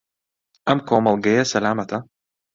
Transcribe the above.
ئەم کۆمەڵگەیە سەلامەتە؟